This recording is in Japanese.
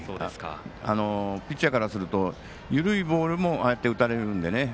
ピッチャーからすると緩いボールもああやって打たれるんでね。